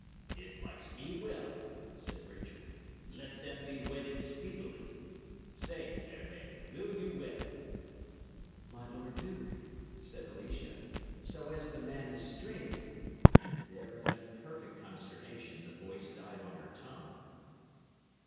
"It likes me well," said Richard. "Let them be wedded speedily. Say, fair maid, will you wed?" "My lord duke," said Alicia, "so as the man is straight" And there, in a perfect consternation, the voice died on her tongue.